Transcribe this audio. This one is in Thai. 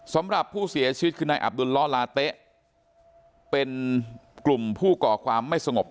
สำหรับผู้เสียชีวิตคือนายอับดุลล้อลาเต๊ะเป็นกลุ่มผู้ก่อความไม่สงบ